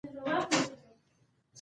د نیت ارزښت د پایلو پر بنسټ ټاکل کېږي.